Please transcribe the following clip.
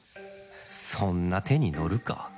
そんな手に乗るか。